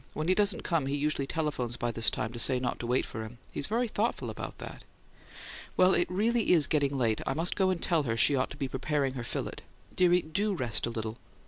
When he doesn't come he usually telephones by this time to say not to wait for him; he's very thoughtful about that. Well, it really is getting late: I must go and tell her she ought to be preparing her fillet. Dearie, DO rest a little."